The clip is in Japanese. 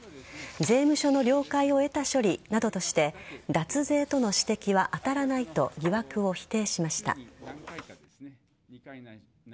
税務署の了解を得た処理などとして脱税との指摘は当たらないと疑惑を否定しました。